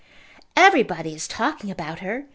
"Everybody is talking about her.